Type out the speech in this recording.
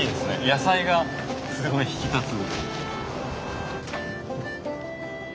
野菜がすごい引き立つ。